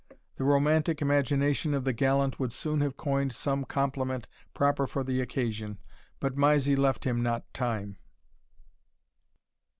The romantic imagination of the gallant would soon have coined some compliment proper for the occasion, but Mysie left him not time.